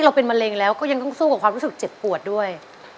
เราเป็นมะเร็งแล้วก็ยังต้องสู้กับความรู้สึกเจ็บปวดด้วย